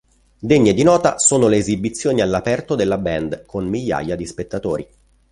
Degne di nota sono le esibizioni all'aperto della band, con migliaia di spettatori.